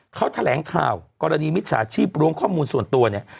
เขาแถลงข่าวกรณีมิจฉาชีพล้วงข้อมูลส่วนตัวเนี่ย